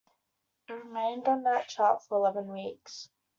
It remained on that chart for eleven weeks.